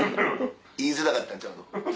言いづらかったんちゃうの？